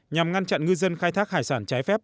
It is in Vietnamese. nhằm ngăn chặn ngư dân khai thác hải sản trái phép